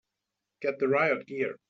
Get the riot gear!